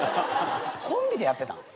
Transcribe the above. コンビでやってたん？